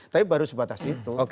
tapi baru sebatas itu